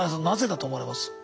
なぜだと思われます？